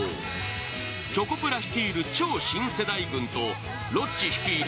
チョコプラ率いる超新世代軍とロッチ率いる